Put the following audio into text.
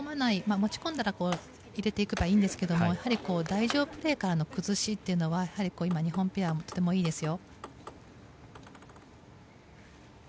持ち込んだら入れていけばいいんですけどやはり台上プレーからの崩しというのは日本ペア、とてもいいですよ。